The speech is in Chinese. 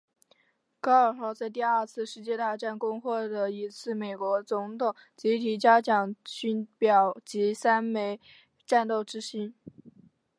高尔号在第二次世界大战共获得一次美国总统集体嘉奖勋表及三枚战斗之星。